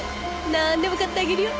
なんでも買ってあげるよ。